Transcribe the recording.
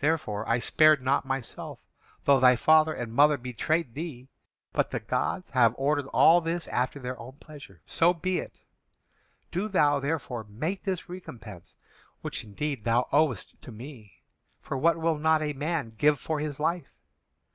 Therefore I spared not myself, though thy father and mother betrayed thee. But the gods have ordered all this after their own pleasure. So be it. Do thou therefore make this recompense, which indeed thou owest to me, for what will not a man give for his life?